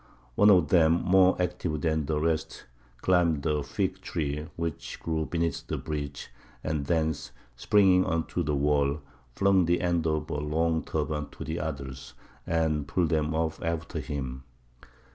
One of them, more active than the rest, climbed a fig tree which grew beneath the breach, and thence, springing on to the wall, flung the end of a long turban to the others, and pulled them up after him.